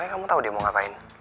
kamu tau dia mau ngapain